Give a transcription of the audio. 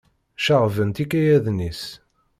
Ceɣɣben-tt ikayaden-is.